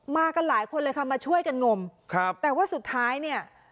กันหลายคนเลยค่ะมาช่วยกันงมครับแต่ว่าสุดท้ายเนี่ย